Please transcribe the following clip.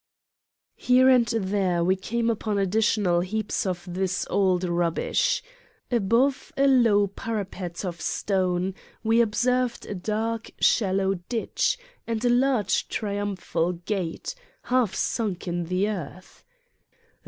Here and there we came upon additional heaps of this old rubbish. Above a low parapet of stone, we observed a dark shallow ditch and a large tri umphal gate, half sunk in the earth.